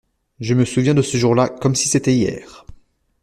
Je me souviens de ce jour-là comme si c'était hier.